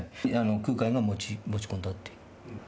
空海が持ち込んだっていう。